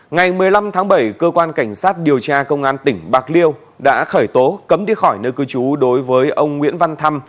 ngày một mươi năm tháng bảy cơ quan cảnh sát điều tra công an tỉnh bạc liêu đã khởi tố cấm đi khỏi nơi cư trú đối với ông nguyễn văn thăm